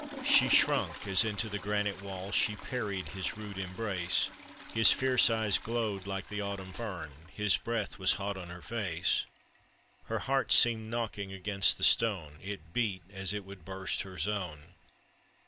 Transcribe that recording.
She shrunk as into the granite wall, She parried his rude embrace; POETRY ON OR ABOUT THE MACLEANS. His fierce eyes glowed like the autumn fern, His breath was hot on her face; Her heart seemed knocking against the stone, It beat as it would burst her zone.